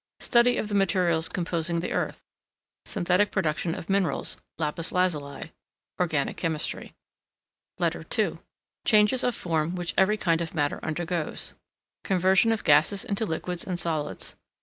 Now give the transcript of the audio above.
Study of the materials composing the Earth. Synthetic production of Minerals LAPIS LAZULI. Organic Chemistry. LETTER II Changes of Form which every kind of Matter undergoes. Conversion of Gases into Liquids and Solids.